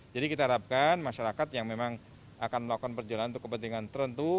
jadi kita harapkan masyarakat yang memang akan melakukan perjalanan untuk kepentingan tertentu